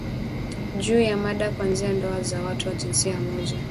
juu ya mada kuanzia ndoa za watu wa jinsia moja